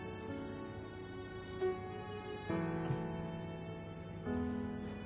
うん。